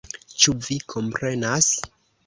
Ĉu vi komprenas?